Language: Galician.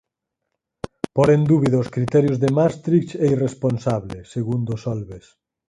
Pór en dúbida os criterios de Maastricht é irresponsable, segundo Solbes